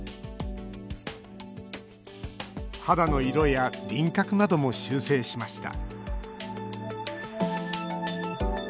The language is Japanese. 肌の色や輪郭なども修整しました